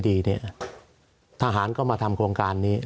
สวัสดีครับทุกคน